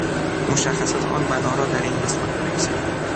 مشخصات آن بنا را در این قسمت بنویسید